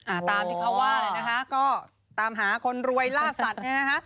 อ่าตามที่เขาว่าเลยนะคะก็ตามหาคนรวยล่าสัตว์เนี่ยนะคะ